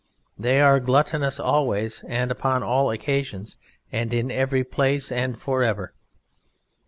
They are gluttonous always and upon all occasions, and in every place and for ever.